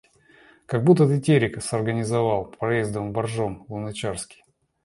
Как будто бы Терек сорганизовал, проездом в Боржом, Луначарский.